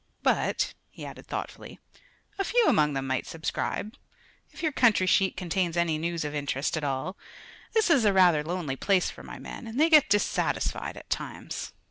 But," he added, thoughtfully, "a few among them might subscribe, if your country sheet contains any news of interest at all. This is rather a lonely place for my men and they get dissatisfied at times.